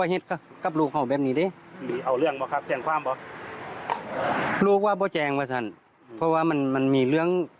พ่อจะอยากให้เอาขึ้นปะครันเห็นแบบนี้หรอ